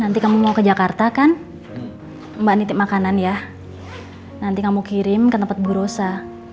nanti kamu mau ke jakarta kan mbak nitip makanan ya nanti kamu kirim ke tempat burosa